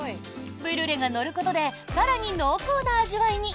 ブリュレが乗ることで更に濃厚な味わいに。